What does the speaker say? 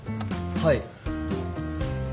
はい。